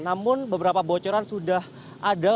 namun beberapa bocoran sudah ada